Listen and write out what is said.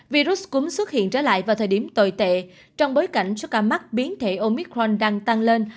virus cúm xuất hiện trở lại vào thời điểm tồi tệ trong bối cảnh số ca mắc biến thể omit hoành đang tăng lên